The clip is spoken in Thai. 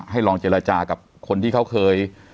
ลองเจรจากับคนที่เขาเคย